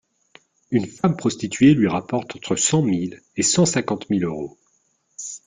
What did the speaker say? Une femme prostituée lui rapporte entre cent mille et cent cinquante mille euros.